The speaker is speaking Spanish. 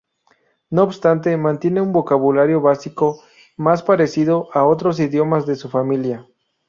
No obstante, mantiene un vocabulario básico más parecido a otros idiomas de su familia.